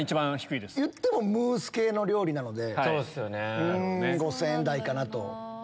いってもムース系の料理なので５０００円台かなと。